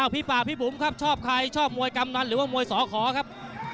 พี่ป่าพี่บุ๋มครับชอบใครชอบมวยกำนันหรือว่ามวยสอขอครับ